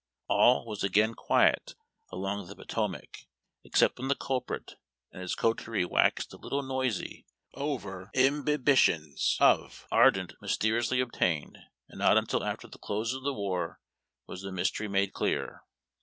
All was again quiet along the Potomac, except when the culprit and his coterie waxed a little noisy over imbibitions of ardent mysteriously obtained, and not until after the close of the war was the mystery made clear.